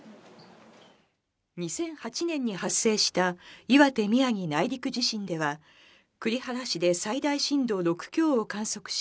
２００８年に発生した岩手・宮城内陸地震では、栗原市で最大震度６強を観測し、